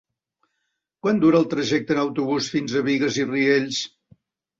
Quant dura el trajecte en autobús fins a Bigues i Riells?